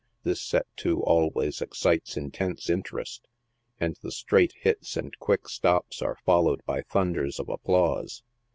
This set to always excites intense interest, and the straight hits and quick stops are followed by thunders of applause.